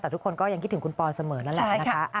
แต่ทุกคนก็ยังคิดถึงคุณปอยเสมอนั่นแหละนะคะ